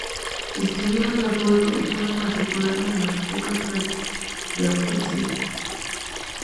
Estuvieron de acuerdo, y fue matriculada en unas pocas clases de actuación.